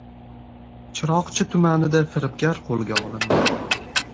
Chiroqchi tumanida firibgar qo‘lga olindi